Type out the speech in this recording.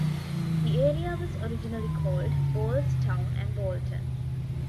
The area was originally called "Ball's Town" and "Ballton.